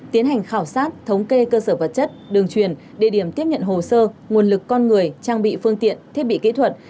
tiến hành khảo sát thống kê cơ sở vật chất đường truyền địa điểm tiếp nhận hồ sơ nguồn lực con người trang bị phương tiện thiết bị kỹ thuật